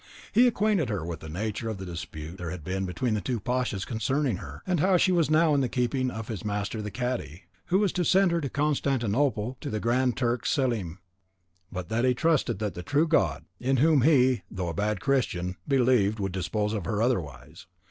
He acquainted her with the nature of the dispute there had been between the pashas concerning her, and how she was now in the keeping of his master the cadi, who was to send her to Constantinople to the Grand Turk Selim; but that he trusted that the true God, in whom he, though a bad Christian, believed, would dispose of her otherwise.